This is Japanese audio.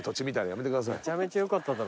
めちゃめちゃよかっただろ。